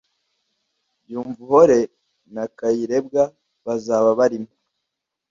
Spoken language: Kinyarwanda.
Byumvuhore na Kayirebwa bazaba barimo